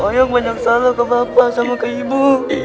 ayo banyak salah ke bapak sama ke ibu